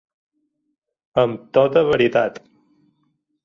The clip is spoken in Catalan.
Amb tota veritat.